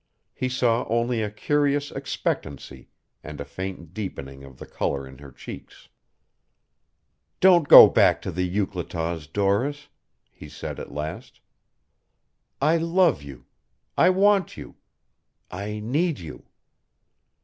He saw only a curious expectancy and a faint deepening of the color in her cheeks. "Don't go back to the Euclataws, Doris," he said at last. "I love you. I want you. I need you.